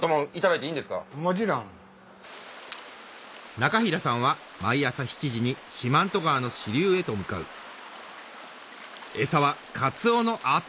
中平さんは毎朝７時に四万十川の支流へと向かう餌はカツオの頭